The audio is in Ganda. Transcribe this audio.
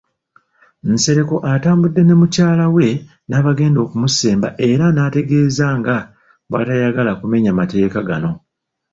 Nsereko atambudde ne mukyala we n'abagenda okumusemba era ng'ategeezezza nga bw'atayagadde kumenya mateeka gano.